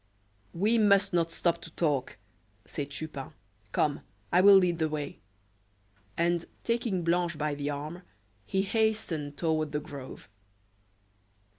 "We must not stop to talk," said Chupin. "Come, I will lead the way." And taking Blanche by the arm, he hastened toward the grove.